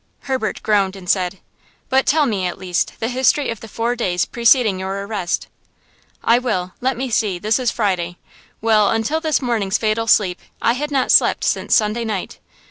Herbert groaned, and said: "But tell me, at least, the history of the four days preceding your arrest." "I will. Let me see–this is Friday. Well, until this morning's fatal sleep, I had not slept since Sunday night.